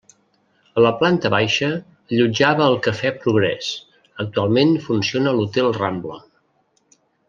A la planta baixa allotjava el Cafè Progrés, actualment funciona l'Hotel Rambla.